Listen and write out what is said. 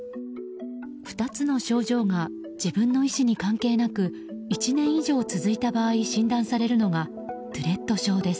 ２つの症状が自分の意思に関係なく１年以上続いた場合診断されるのがトゥレット症です。